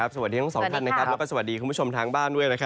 สวัสดีทั้งสองคนนะครับและสวัสดีคุณผู้ชมทางบ้านด้วยนะครับ